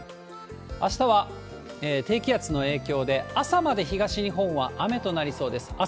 あしたは低気圧の影響で、朝まで東日本は雨となりそうです。